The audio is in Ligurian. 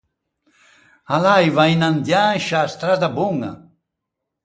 A l’aiva inandiâ in sciâ stradda boña.